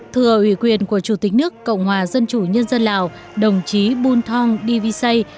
thừa ủy quyền của chủ tịch nước cộng hòa dân chủ nhân dân lào đồng chí bun thong di vy say